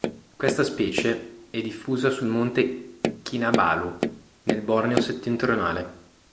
Questa specie è diffusa sul Monte Kinabalu, nel Borneo settentrionale.